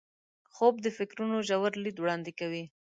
خوب د فکرونو ژور لید وړاندې کوي